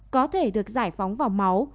có thể được giải phóng vào máu